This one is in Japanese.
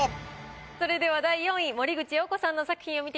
それでは第４位森口瑤子さんの作品を見てみましょう。